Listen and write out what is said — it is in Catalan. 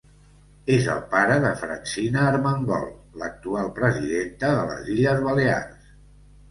És el pare de Francina Armengol, l'actual presidenta de les Illes Balears.